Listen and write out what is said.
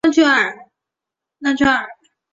朗屈艾。